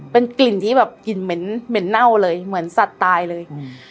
เป็นกลิ่นที่แบบกลิ่นเหม็นเหม็นเน่าเลยเหมือนสัตว์ตายเลย